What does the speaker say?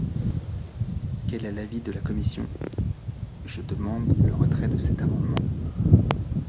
Quel est l’avis de la commission ? Je demande le retrait de cet amendement.